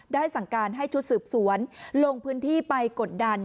สั่งการให้ชุดสืบสวนลงพื้นที่ไปกดดัน